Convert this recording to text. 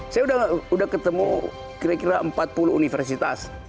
saya sudah ketemu kira kira empat puluh universitas